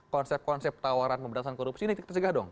konsep konsep tawaran pemberantasan korupsi ini kita cegah dong